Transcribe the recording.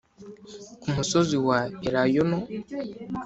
ku musozi wa elayono